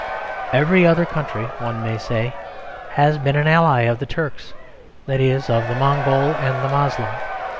Every other country, one may say, has been an ally of the Turk; that is, of the Mongol and the Moslem.